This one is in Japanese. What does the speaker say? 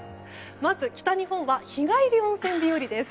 まず、北日本は日帰り温泉日和です。